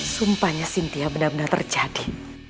sumpahnya sintia benar benar terjaking